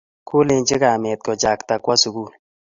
kolenchi kame kochakta kowo sukul